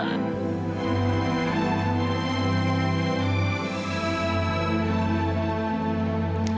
mila ada di dekat papa